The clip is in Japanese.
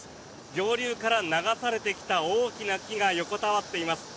上流から流されてきた大きな木が横たわっています。